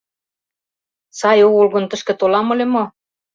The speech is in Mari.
— Сай огыл гын, тышке толам ыле мо?